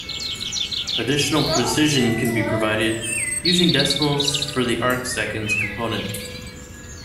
Additional precision can be provided using decimals for the arcseconds component.